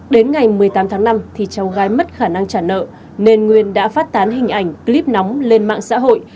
đến ngày một mươi tám tháng năm thì cháu gái mất khả năng trả nợ nên nguyên đã phát tán hình ảnh clip nóng lên mạng xã hội